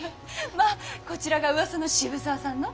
まぁこちらがうわさの渋沢さんの。